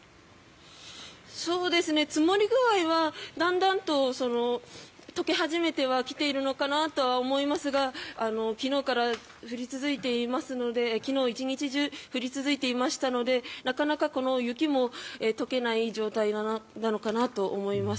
積もり具合はだんだんと解け始めては来ているのかなとは思いますが昨日１日中降り続いていましたのでなかなか雪も解けない状態なのかなと思います。